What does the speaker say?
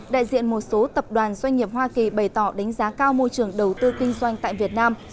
đại diện một số tập đoàn doanh nghiệp hoa kỳ bày tỏ đánh giá cao môi trường đầu tư kinh doanh tại việt nam